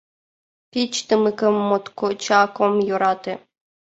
Пич тымыкым моткочак ом йӧрате.